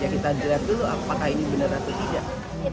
ya kita lihat dulu apakah ini bener atau tidak